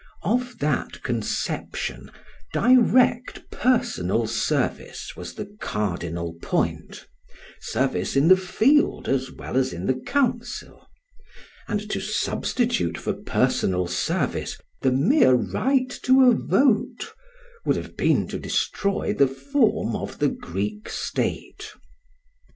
Of that conception, direct personal service was the cardinal point service in the field as well as in the council; and to substitute for personal service the mere right to a vote would have been to destroy the form of the Greek state.